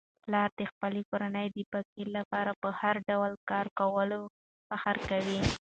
پلار د خپلې کورنی د بقا لپاره په هر ډول کار کولو فخر کوي.